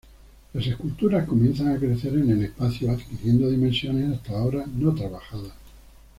Las esculturas comienzan a crecer en el espacio, adquiriendo dimensiones hasta ahora no trabajadas.